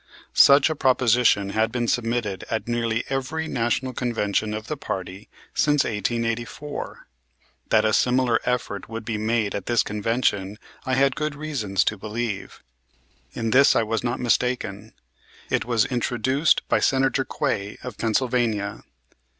Such a proposition had been submitted at nearly every National Convention of the party since 1884. That a similar effort would be made at this convention I had good reasons to believe. In this I was not mistaken. It was introduced by Senator Quay, of Pennsylvania.